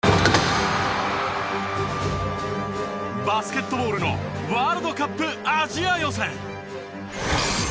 バスケットボールのワールドカップアジア予選。